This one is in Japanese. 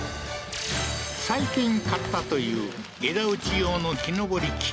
最近買ったという枝打ち用の木登り器